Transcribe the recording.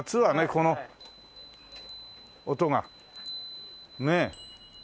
この音がねっ。